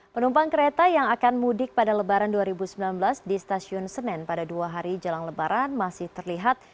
penumpang kereta yang akan mudik pada lebaran dua ribu sembilan belas di stasiun senen pada dua hari jelang lebaran masih terlihat